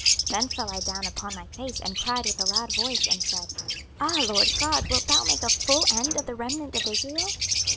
Then fell I down upon my face, and cried with a loud voice, and said, Ah Lord GOD! wilt thou make a full end of the remnant of Israel?